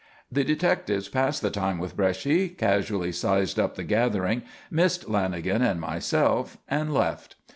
The detectives passed the time with Bresci, casually "sized up" the gathering, missing Lanagan and myself, and left.